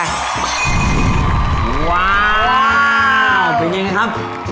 ว้าวเป็นยังไงครับ